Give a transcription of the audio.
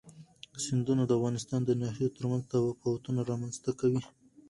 سیندونه د افغانستان د ناحیو ترمنځ تفاوتونه رامنځ ته کوي.